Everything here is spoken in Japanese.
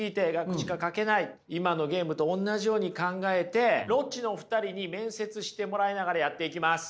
今のゲームとおんなじように考えてロッチの２人に面接してもらいながらやっていきます。